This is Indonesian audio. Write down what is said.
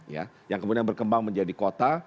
ya yang kemudian berkembang menjadi kota